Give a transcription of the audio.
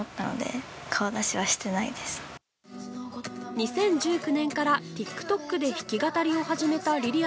２０１９年からＴｉｋＴｏｋで弾き語りを始めたりりあ。